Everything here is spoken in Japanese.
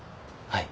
はい。